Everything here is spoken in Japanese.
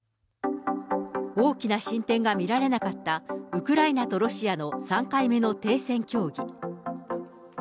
大きな進展が見られなかったウクライナとロシアの３回目の停戦協議。